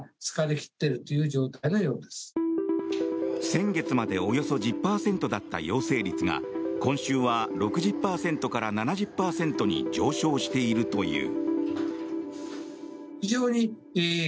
先月までおよそ１０％だった陽性率が今週は６０％から７０％に上昇しているという。